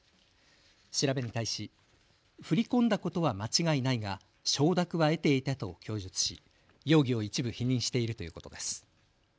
調べに対し振り込んだことは間違いないが承諾は得ていたと供述し容疑を一部、否認しているということです。